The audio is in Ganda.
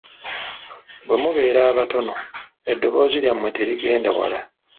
Bwe mubeera abatono eddoboozi lyammwe terigenda wala.